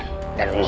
ketika di rumah